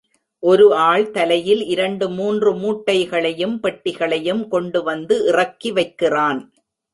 ஒரு ஆள் தலையில் இரண்டு மூன்று மூட்டைகளையும் பெட்டியையும் கொண்டு வந்து இறக்கிவைக்கிறான்.